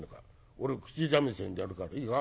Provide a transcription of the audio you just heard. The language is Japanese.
俺口三味線でやるからいいか？